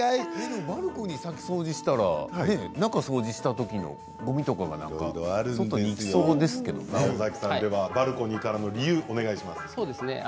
バルコニーを先に掃除したら中を掃除したときのごみとかが理由をお願いします。